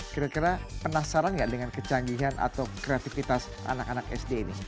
kira kira penasaran nggak dengan kecanggihan atau kreativitas anak anak sd ini